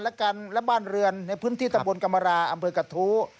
และบ้านเรือนในพื้นที่ตำบลกรรมราอำเภอกระทู้